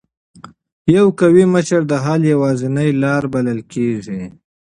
یو قوي مشر د حل یوازینۍ لار بلل کېږي.